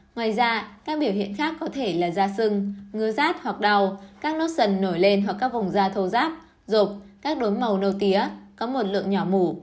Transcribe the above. ngoài ra các biểu hiện khác có thể là da sưng ngứa rát hoặc đau các nốt sần nổi lên hoặc các vùng da thâu rác rục các đốm màu nâu tía có một lượng nhỏ mủ